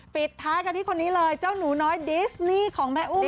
ปิดท้ายกันที่คนนี้เลยเจ้าหนูน้อยดิสนี่ของแม่อู้